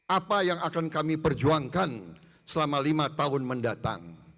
apa yang akan kami perjuangkan selama lima tahun mendatang